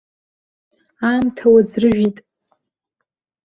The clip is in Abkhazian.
Аамҭа уаӡрыжәит!